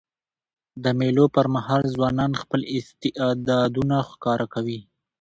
د مېلو پر مهال ځوانان خپل استعدادونه ښکاره کوي.